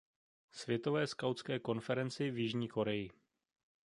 Světové skautské konferenci v Jižní Koreji.